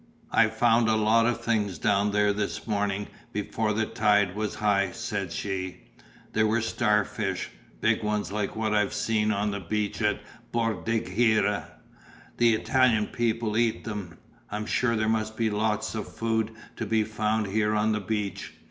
"I found a lot of things down there this morning before the tide was high," said she. "There were star fish, big ones like what I have seen on the beach at Bordighera; the Italian people eat them. I'm sure there must be lots of food to be found here on the beach.